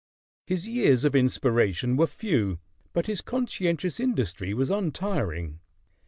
His years of inspiration were few; but his conscientious industry was untiring.